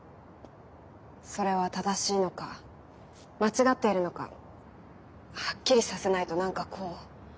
それは正しいのか間違っているのかはっきりさせないと何かこう。